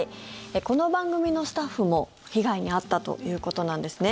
この番組のスタッフも被害に遭ったということです。